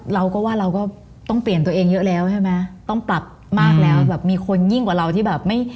เราก็ว่าเราก็ต้องเปลี่ยนตัวเองเยอะแล้วใช่ไหมต้องปรับมากแล้วแบบมีคนยิ่งกว่าเราที่แบบไม่